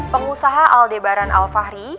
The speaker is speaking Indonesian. pengusaha aldebaran alfahri